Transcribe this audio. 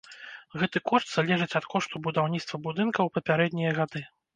Гэты кошт залежыць ад кошту будаўніцтва будынка ў папярэднія гады.